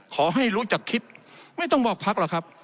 ขอให้รู้จักคิดไม่ต้องบอกพักหรอกครับ